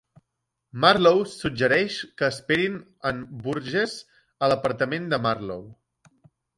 Marlow suggereix que esperin en Burgess a l'apartament de Marlow.